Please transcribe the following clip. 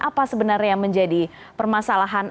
apa sebenarnya yang menjadi permasalahan